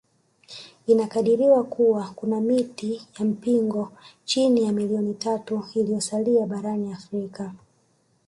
Inakadiriwa kuwa kuna miti ya mpingo chini ya milioni tatu iliyosalia barani Afrika